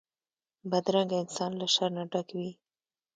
بدرنګه انسان له شر نه ډک وي